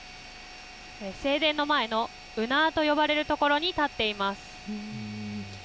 正殿の前の御庭と呼ばれる所に立っています。